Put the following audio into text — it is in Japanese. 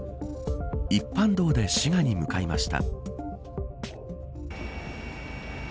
一般道で滋賀に向かいました。